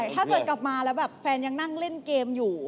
ถ้าเกิดกลับมาแล้วแบบแฟนยังนั่งเล่นเกมอยู่